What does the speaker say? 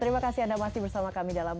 terima kasih anda masih bersama kami dalam